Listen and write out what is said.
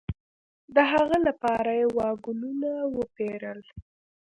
د هغه لپاره یې واګونونه وپېرل.